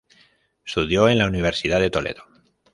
Estudió en la universidad de Toledo.